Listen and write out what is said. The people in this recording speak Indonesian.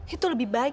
itu lebih baik